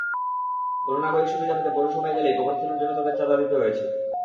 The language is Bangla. কোনো নাগরিক সুবিধা পেতে পৌরসভায় গেলেই কবরস্থানের জন্য তাঁদের চাঁদা দিতে হয়েছে।